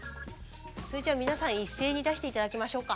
それじゃ皆さん一斉に出して頂きましょうか。